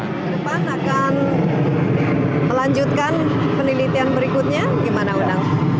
ke depan akan melanjutkan penelitian berikutnya gimana undang